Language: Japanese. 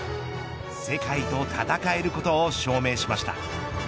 世界と戦えることを証明しました。